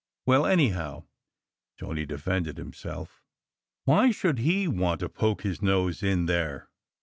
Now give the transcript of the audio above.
"Well, anyhow," Tony defended himself, "why should he want to poke his nose in there?